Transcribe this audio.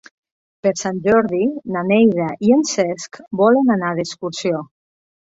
Per Sant Jordi na Neida i en Cesc volen anar d'excursió.